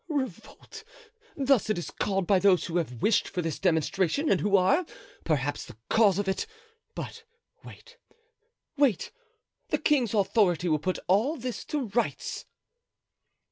"Revolt! thus it is called by those who have wished for this demonstration and who are, perhaps, the cause of it; but, wait, wait! the king's authority will put all this to rights."